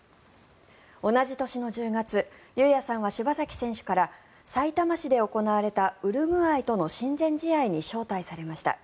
同じ年の１０月龍弥さんは柴崎選手からさいたま市で行われたウルグアイとの親善試合に招待されました。